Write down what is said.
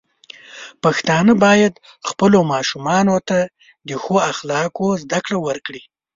پښتانه بايد خپلو ماشومانو ته د ښو اخلاقو زده کړه ورکړي.